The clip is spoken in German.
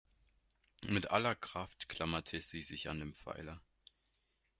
Mit aller Kraft klammerte sie sich an den Pfeiler.